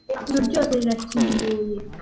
Ijuru ryose rirakinguye